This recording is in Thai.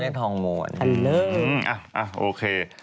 อ่ะโอเค